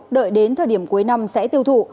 đợi đến thời điểm cuối năm sẽ tiêu thụ